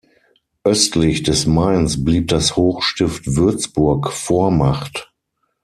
Östlich des Mainz blieb das Hochstift Würzburg Vormacht.